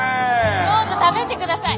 どうぞ食べてください。